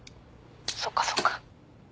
そっかそっか。